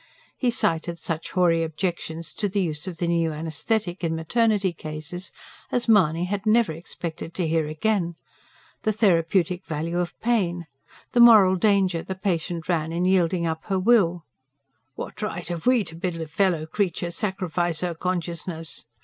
He cited such hoary objections to the use of the new anaesthetic in maternity cases as Mahony had never expected to hear again: the therapeutic value of pain; the moral danger the patient ran in yielding up her will ("What right have we to bid a fellow creature sacrifice her consciousness?")